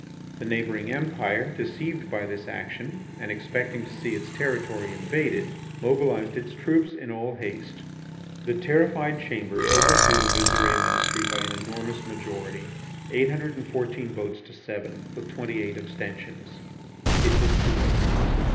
The neighbouring Empire, deceived by this action, and expecting to see its territory invaded, mobilized its troops in all haste. The terrified Chamber overthrew the Visire ministry by an enormous majority (814 votes to 7, with 28 abstentions). It was too late.